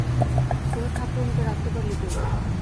তোরা ঠাকরুনকে রাখতে পারলি কই!